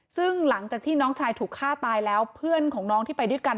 ซึ่งหลังจากที่น้องชายถูกฆ่าตายแล้วเพื่อนของน้องที่ไปด้วยกัน